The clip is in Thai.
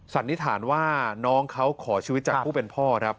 สันนิษฐานว่าน้องเขาขอชีวิตจากผู้เป็นพ่อครับ